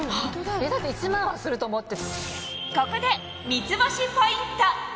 だって１万はすると思って。